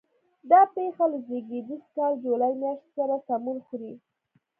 دا پېښه له زېږدیز کال جولای میاشتې سره سمون خوري.